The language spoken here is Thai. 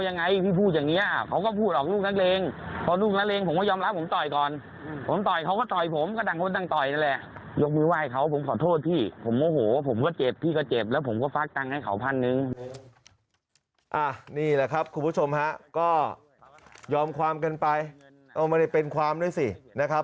นี่แหละครับคุณผู้ชมฮะก็ยอมความกันไปก็ไม่ได้เป็นความด้วยสินะครับ